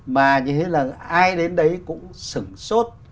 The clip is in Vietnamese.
mà như thế là ai đến đấy cũng sửng sốt